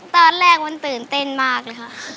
ตอนแรกมันตื่นเต้นมากเลยค่ะ